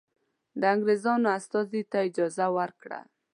د انګرېزانو استازي ته اجازه ورکړه.